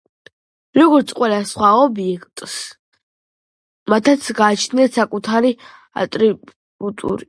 როგორც ყველა სხვა ობიექტს, მათაც გააჩნიათ საკუთარი ატრიბუტები, რომელთა გამოყენება ხშირადაა მიზანშეწონილი.